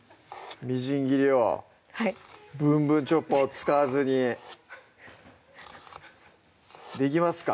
みじん切りを「ぶんぶんチョッパー」を使わずにできますか？